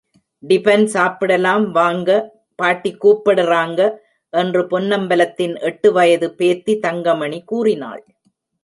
Tiffin சாப்பிடலாம் வாங்க, பாட்டி கூப்பிடறாங்க, என்று பொன்னம்பலத்தின் எட்டு வயது பேத்தி தங்கமணி கூறினாள்.